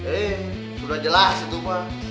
eh sudah jelas itu pak